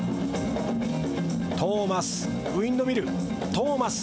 トーマスウィンドミルトーマス。